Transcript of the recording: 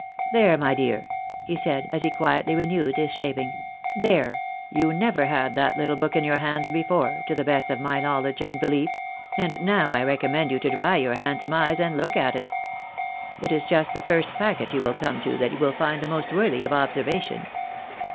" There, my dear," he said, as he quietly renewed his shaving ;" there ! you never had that little book in your hands before, to the best of my knowledge and belief ; and now I recommend you to dry your handsome eyes, and look at it. It is just the first packet you will come to that you will find the most worthy of observation."